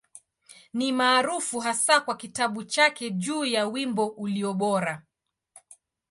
Ni maarufu hasa kwa kitabu chake juu ya Wimbo Ulio Bora.